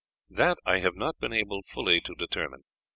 "That I have not been able fully to determine.